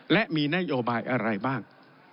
และมีนโยบายอะไรบ้าง